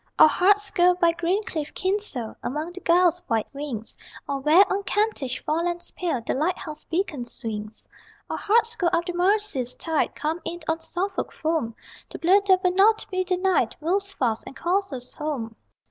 _ Our hearts go by green cliffed Kinsale Among the gulls' white wings, Or where, on Kentish forelands pale The lighthouse beacon swings: Our hearts go up the Mersey's tide, Come in on Suffolk foam The blood that will not be denied Moves fast, and calls us home!